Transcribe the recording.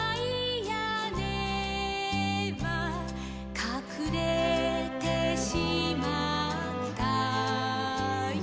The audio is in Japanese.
「かくれてしまったよ